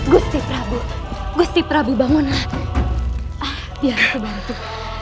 gusti prabu gusti prabu bangunlah biar aku bantu